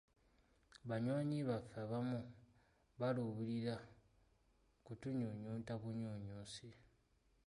Banywanyi baffe abamu baluubirira kutunyunyunta bunyunyusi.